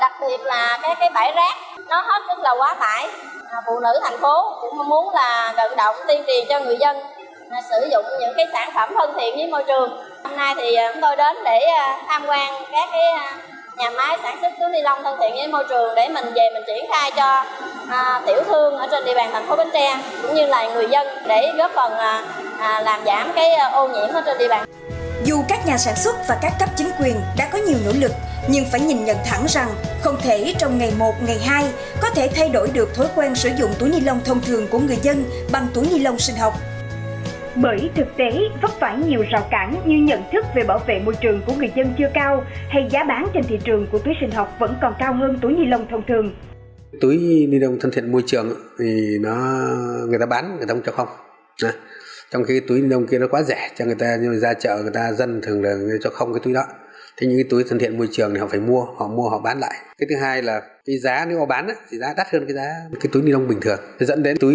phải có chính sách làm sao khuyến khích xong có chính sách ưu đãi để làm sao cái người mà sử dụng cái túi sản xuất cái túi ni lông thân thiện môi trường thì giá thành nó phải ít nhất là bằng hoặc là thấp hơn cái túi ni lông khó phân hủy